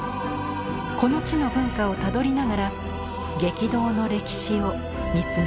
この地の文化をたどりながら激動の歴史を見つめます。